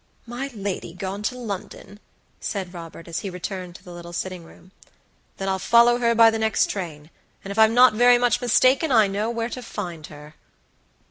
"My lady gone to London!" said Robert, as he returned to the little sitting room. "Then I'll follow her by the next train; and if I'm not very much mistaken, I know where to find her."